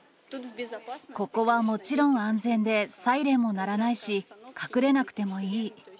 ここはもちろん安全で、サイレンも鳴らないし、隠れなくてもいい。